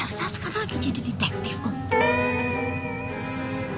saya sekarang lagi jadi detektif om